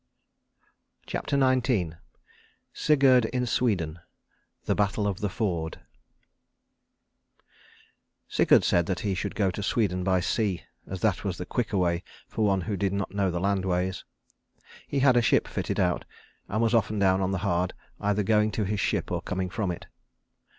CHAPTER XIX SIGURD IN SWEDEN. THE BATTLE OF THE FORD Sigurd said that he should go to Sweden by sea, as that was the quicker way for one who did not know the land ways. He had a ship fitted out, and was often down on the hard, either going to his ship or coming from it.